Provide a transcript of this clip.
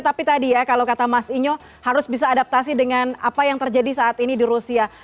tapi tadi ya kalau kata mas inyo harus bisa adaptasi dengan apa yang terjadi saat ini di rusia